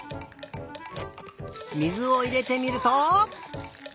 水をいれてみると。